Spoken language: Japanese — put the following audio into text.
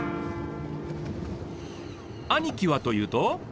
兄貴はというと。